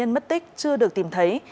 mất tích chưa được tìm thấy